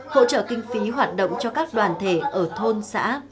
hỗ trợ kinh phí hoạt động cho các đoàn thể ở thôn xã